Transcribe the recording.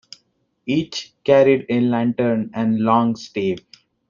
Each carried a lantern and long stave.